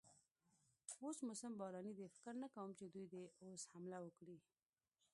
اوس موسم باراني دی، فکر نه کوم چې دوی دې اوس حمله وکړي.